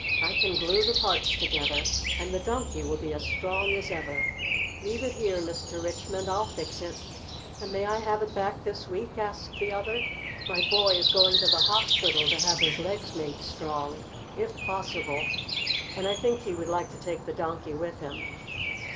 "I can glue the parts together and the Donkey will be as strong as ever. Leave it here, Mr. Richmond. I'll fix it." "And may I have it back this week?" asked the other. "My boy is going to the hospital to have his legs made strong, if possible, and I think he would like to take the Donkey with him."